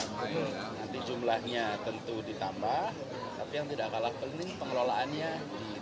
nanti jumlahnya tentu ditambah tapi yang tidak kalah pening pengelolaannya di tingkatnya